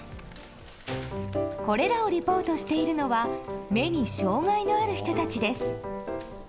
これらをリポートしているのは目に障害がある人たちです。